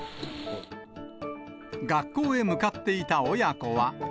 学校へ向かっていた親子は。